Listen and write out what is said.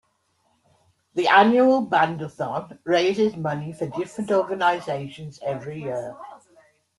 The annual Band-a-Thon raises money for different organizations every year.